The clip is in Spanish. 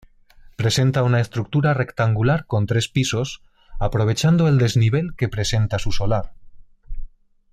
Presenta una estructura rectangular con tres pisos aprovechando el desnivel que presenta su solar.